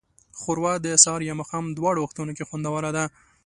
ښوروا د سهار یا ماښام دواړو وختونو کې خوندوره ده.